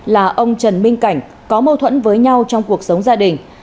là ông trần minh cảnh có mâu thuẫn với nhau trong cuộc sống gia đình